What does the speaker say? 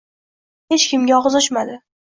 Tushi haqida hech kimga og‘iz ochmadi…